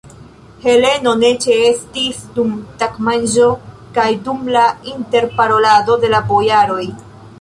Heleno ne ĉeestis dum tagmanĝo kaj dum la interparolado de la bojaroj.